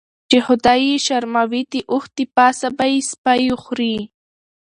چی خدای یی شرموي داوښ دپاسه به یی سپی وخوري .